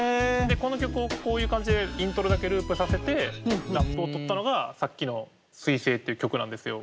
この曲をこういう感じでイントロだけループさせてラップを録ったのがさっきの「水星」っていう曲なんですよ。